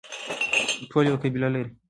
ټول یوه قبله لري